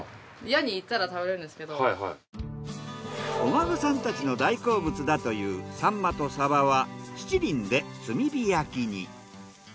お孫さんたちの大好物だというサンマとサバは七輪で炭火焼きに。